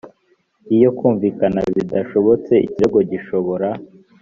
iyo kumvikana bidashobotse ikirego gishobora